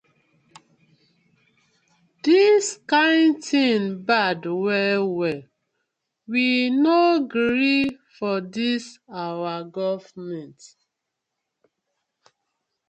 Dis kin tin bad well well, we no gree for dis our gofment.